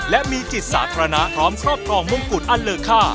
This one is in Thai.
และมีจิตสาธารณะพร้อมครอบครองมงกุฎอันเลอค่า